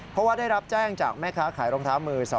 เพราะว่าได้รับแจ้งจากแม่ค้าขายรองเท้ามือ๒